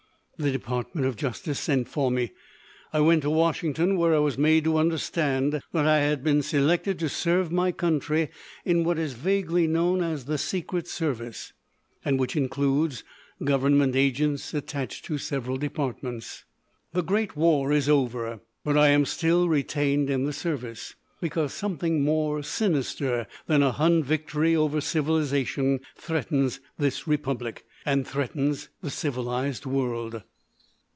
The Department of Justice sent for me. I went to Washington where I was made to understand that I had been selected to serve my country in what is vaguely known as the Secret Service—and which includes government agents attached to several departments. "The great war is over; but I am still retained in the service. Because something more sinister than a hun victory over civilisation threatens this Republic. And threatens the civilised world."